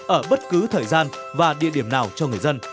ở bất cứ thời gian và địa điểm nào cho người dân